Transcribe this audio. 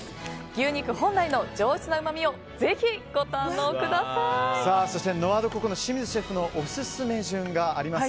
牛肉本来の上質なうまみをそして、ノワドココの清水シェフのオススメ順があります。